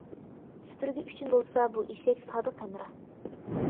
سۈپۈرگە ئۈچۈن بولسا بۇ ئېشەك سادىق ھەمراھ.